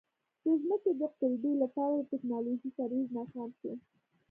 د ځمکې د قُلبې لپاره د ټکنالوژۍ ترویج ناکام شو.